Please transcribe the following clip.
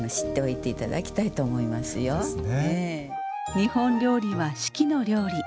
日本料理は四季の料理。